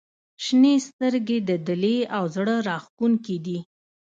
• شنې سترګې د دلې او زړه راښکونکې دي.